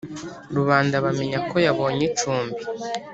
rubanda bamenya ko yabonye icumbi;